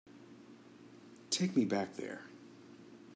Take me back there.